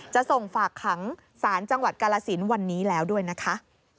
จะส่งฝากขังศาลจังหวัดกาลสินวันนี้แล้วด้วยนะคะ